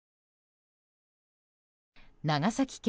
長崎県